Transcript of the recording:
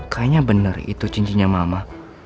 kayaknya benar itu cincinnya mama